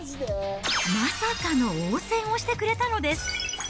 まさかの応戦をしてくれたのです。